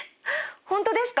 ホントですか？